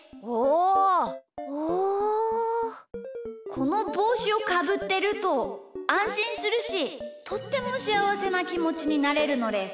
このぼうしをかぶってるとあんしんするしとってもしあわせなきもちになれるのです。